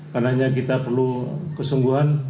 karena kita perlu kesungguhan